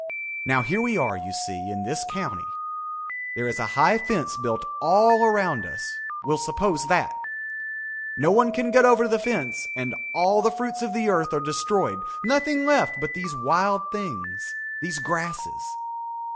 Now here we are, you see, in this county. There is a high fence built all around us. We'll suppose that. No one can get over the fence and all the fruits of the earth are destroyed, nothing left but these wild things, these grasses.